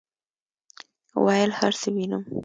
ویل هرڅه وینم،